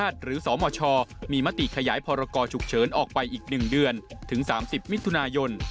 ถึง๓๐มิถุนายน